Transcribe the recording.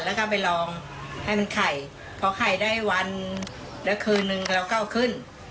แล้วก็ไปลองให้มันไข่พอไข่ได้วันแล้วคืนนึงเราก็เอาขึ้น